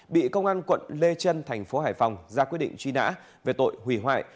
bị công an quận lê trân thành phố hải phòng ra quyết định truy nã về tội hủy hoại